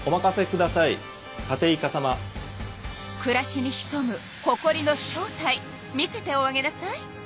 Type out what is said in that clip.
くらしにひそむほこりの正体見せておあげなさい。